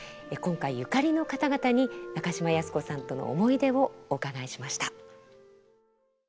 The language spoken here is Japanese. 今回ゆかりの方々に中島靖子さんとの思い出をお伺いしました。